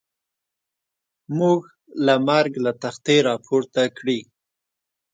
موږ له مرګ له تختې را پورته کړي.